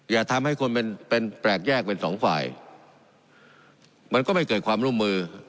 อย่าทำให้คนเป็นเป็นแปลกแยกเป็นสองฝ่ายมันก็ไม่เกิดความร่วมมือ